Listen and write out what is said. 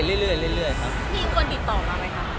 ก็เรื่อยเรื่อยเรื่อยเรื่อยครับมีคนติดต่อมาไหมคะ